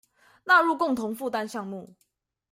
納入共同負擔項目